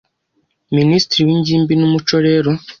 Minisitiri w’Ingimbi n’umuco rero